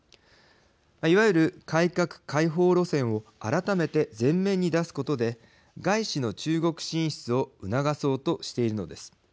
いわゆる改革開放路線を改めて前面に出すことで外資の中国進出を促そうとしているのです。